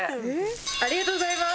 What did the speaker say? ありがとうございます。